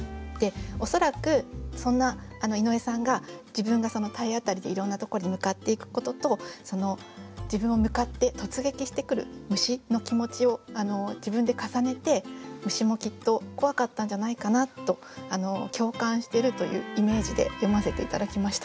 恐らくそんな井上さんが自分が体当たりでいろんなとこに向かっていくこととその自分に向かって突撃してくる虫の気持ちを自分で重ねて虫もきっと怖かったんじゃないかなと共感してるというイメージで詠ませて頂きました。